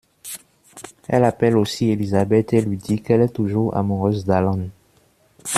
Elle appelle aussi Elizabeth et lui dit qu'elle est toujours amoureuse d’Alan.